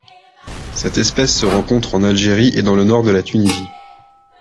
Cette espèce se rencontre en Algérie et dans le nord de la Tunisie.